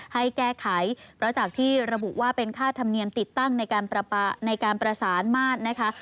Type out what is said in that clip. ให้แก้ไขเพราะจากที่ระบุว่าเป็นค่าธรรมเนียมติดตั้งในการในการประสานมาตรนะคะ